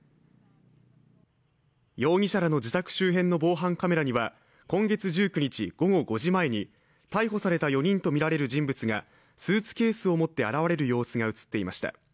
容疑者の自宅周辺の防犯カメラには、今月１９日午後５時前に逮捕された４人とみられる人物が、スーツケースを持って現れる様子が映っていました。